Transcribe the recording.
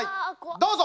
どうぞ！